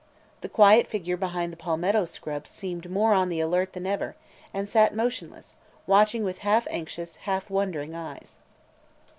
The quiet figure behind the palmetto scrub seemed more on the alert than ever, and sat motionless, watching with half anxious, half wondering eyes.